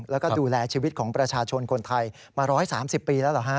แล้วก็ดูแลชีวิตของประชาชนคนไทยมา๑๓๐ปีแล้วเหรอฮะ